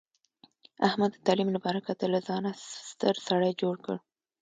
احمد د تعلیم له برکته له ځانه ستر سړی جوړ کړ.